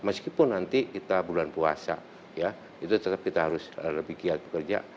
meskipun nanti kita bulan puasa ya itu tetap kita harus lebih giat bekerja